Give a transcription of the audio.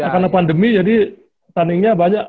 karena pandemi jadi pertandingannya banyak